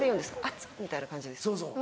「熱っ」みたいな感じですか？